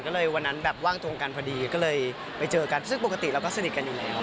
ก็เลยวันนั้นแบบว่างตรงกันพอดีก็เลยไปเจอกันซึ่งปกติเราก็สนิทกันอยู่แล้ว